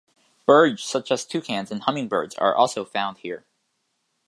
Birds such as toucans, and hummingbirds are also found here.